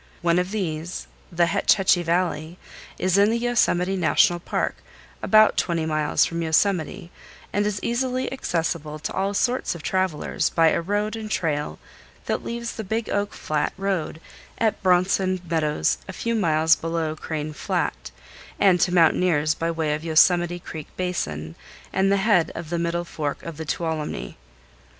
One of these, the Hetch Hetchy Valley, is in the Yosemite National Park about twenty miles from Yosemite and is easily accessible to all sorts of travelers by a road and trail that leaves the Big Oak Flat road at Bronson Meadows a few miles below Crane Flat, and to mountaineers by way of Yosemite Creek basin and the head of the middle fork of the Tuolumne.